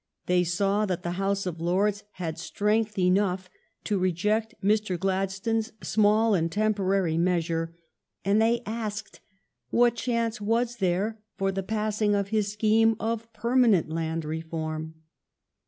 They saw that the House of Lords had strength enough to reject Mr. Gladstones small and tem porary measure, and they asked what chance was there for the passing of his scheme of per manent land reform.